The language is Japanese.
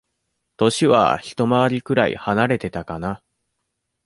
歳はひと回りくらい離れてたかな。